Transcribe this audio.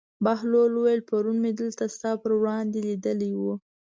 بهلول وویل: پرون مې دلته ستا پر وړاندې لیدلی و.